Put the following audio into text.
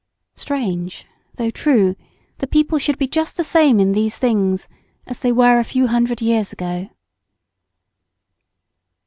Strange, though true, that people should be just the same in these things as they were a few hundred years ago!